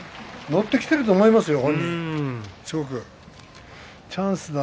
乗ってきていると思いますよ